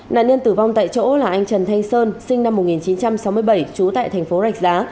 nạn nhân tử vong tại chỗ là anh trần thanh sơn sinh năm một nghìn chín trăm sáu mươi bảy trú tại thành phố rạch giá